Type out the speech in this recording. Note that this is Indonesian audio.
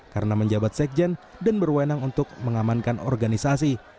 karena menjabat sekjen dan berwenang untuk mengamankan organisasi